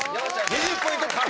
２０ポイント獲得。